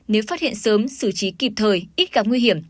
nếu phát hiện sớm xử trí kịp thời ít gặp nguy hiểm